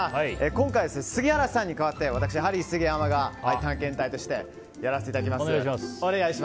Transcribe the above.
今回は杉原さんに代わってハリー杉山が探検隊としてやらせていただきます。